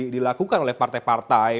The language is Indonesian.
dilakukan oleh partai partai